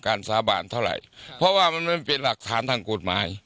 สาบานเท่าไหร่เพราะว่ามันไม่เป็นหลักฐานทางกฎหมาย